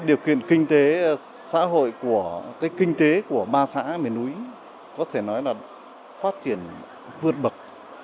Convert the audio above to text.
điều kiện kinh tế xã hội của ba xã miền núi có thể nói là phát triển vượt bậc